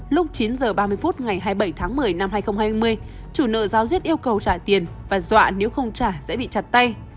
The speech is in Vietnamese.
lúc chín h ba mươi phút ngày hai mươi bảy tháng một mươi năm hai nghìn hai mươi chủ nợ giáo diết yêu cầu trả tiền và dọa nếu không trả sẽ bị chặt tay